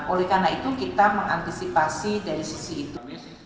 oleh karena itu kita mengantisipasi dari sisi itu